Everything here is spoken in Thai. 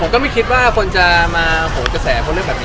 ก็ไม่คิดว่าคนจะมาโหกระแสเพราะเรื่องแบบนี้